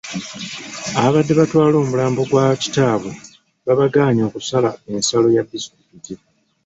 Ababadde batwala omulambo gwa kitaabwe babagaanyi okusala ensalo ya disitulikiti.